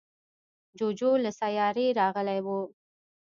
جوجو له سیارې راغلی و.